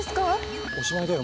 おしまいだよ